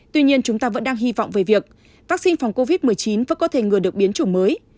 tuy nhiên chúng ta vẫn đang hy vọng về việc vaccine phòng covid một mươi chín vẫn có thể ngừa được biến chủng mới